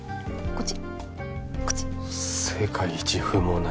こっち？